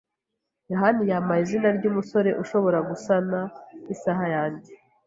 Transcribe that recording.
yohani yampaye izina ryumusore ushobora gusana isaha yanjye.